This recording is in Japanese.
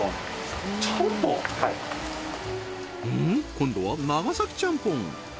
今度は長崎ちゃんぽん